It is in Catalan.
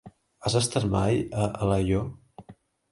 Has estat mai a Alaior?